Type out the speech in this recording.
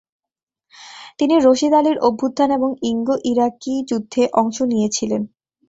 তিনি রশিদ আলির অভ্যুত্থান এবং ইঙ্গ-ইরাকি যুদ্ধে অংশ নিয়েছিলেন।